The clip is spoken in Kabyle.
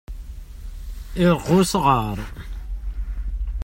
Iṛeqq usɣaṛ.